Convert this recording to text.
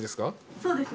そうですね。